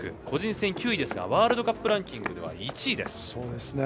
個人戦９位ですがワールドカップランキングでは１位です。